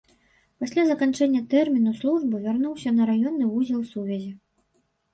Пасля заканчэння тэрміну службы вярнуўся на раённы вузел сувязі.